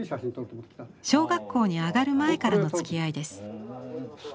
小学校に上がる前からのつきあいです。